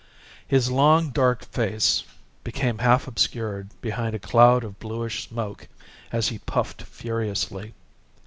His long dark face became half obscured behind a cloud of bluish smoke as he puffed furiously.